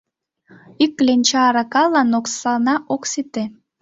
— Ик кленча аракалан оксана ок сите.